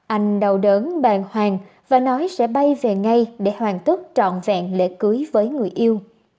anh đau đớn bàng hoàng và nói sẽ bay về ngay để hoàn tất trọn vẹn lễ cưới với người yêu